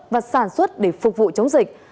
và sản xuất để phục vụ chống dịch